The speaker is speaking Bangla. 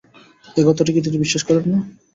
এই কথাটি কি তিনি বিশ্বাস করেন না?